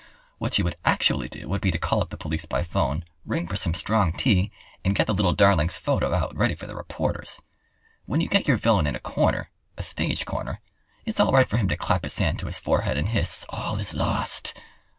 What she would actually do would be to call up the police by 'phone, ring for some strong tea, and get the little darling's photo out, ready for the reporters. When you get your villain in a corner—a stage corner—it's all right for him to clap his hand to his forehead and hiss: "All is lost!"